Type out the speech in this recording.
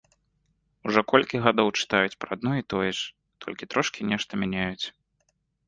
Ужо колькі гадоў чытаюць пра адно і тое ж, толькі трошкі нешта мяняюць.